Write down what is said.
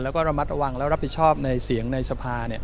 แล้วก็ระมัดระวังและรับผิดชอบในเสียงในสภา